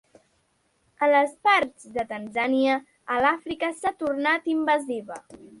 A les parts de Tanzània a l'Àfrica s'ha tornat invasiva.